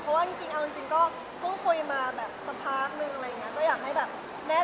ไม่ใช่ให้เงียบแต่มันกลายเป็นแทนก็ไม่เป็นแทน